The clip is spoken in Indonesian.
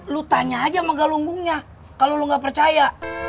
lu tanya aja sama galunggungnya kalau lu gak percaya